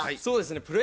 そうですね